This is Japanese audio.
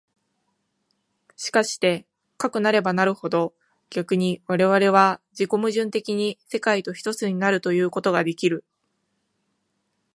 しかしてかくなればなるほど、逆に我々は自己矛盾的に世界と一つになるということができる。